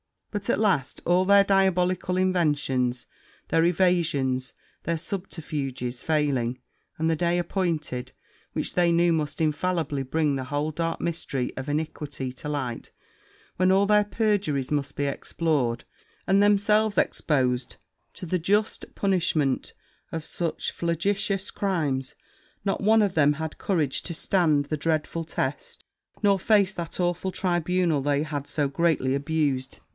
But, at last, all their diabolical inventions, their evasions, their subterfuges, failing, and the day appointed which they knew must infallibly bring the whole dark mystery of iniquity to light, when all their perjuries must be explored, and themselves exposed to the just punishment of such flagitious crimes, not one of them had courage to stand the dreadful test, nor face that awful tribunal they had so greatly abused.